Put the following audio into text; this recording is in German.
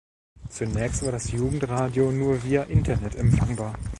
Zunächst war das Jugendradio nur via Internet empfangbar.